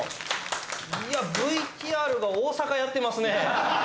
いやＶＴＲが大阪やってますね。